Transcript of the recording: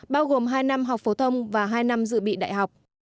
bao gồm hai năm học phổ thông và hai năm dự bị đại học